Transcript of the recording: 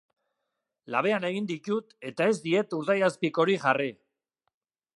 Labean egin ditut, eta ez diet urdaiazpikorik jarri.